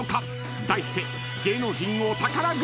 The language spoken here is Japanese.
［題して］